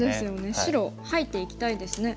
白入っていきたいですね。